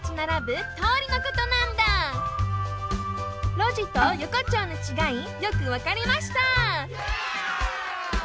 「路地」と「横丁」のちがいよくわかりました！